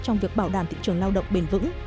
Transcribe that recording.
trong việc bảo đảm thị trường lao động bền vững